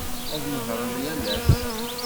Ad nehhṛen yal ass.